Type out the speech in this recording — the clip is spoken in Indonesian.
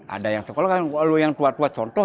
ada yang sekolah kan kalau yang tua tua contoh